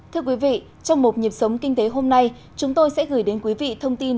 thưa quý vị trong một nhịp sống kinh tế hôm nay chúng tôi sẽ gửi đến quý vị thông tin